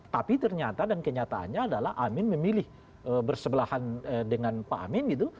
tapi ternyata dan kenyataannya adalah amin memilih bersebelahan dengan pak amin gitu